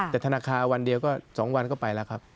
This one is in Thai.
แต่ธนาคารวันเดียวก็๒วันก็ไปแล้วครับ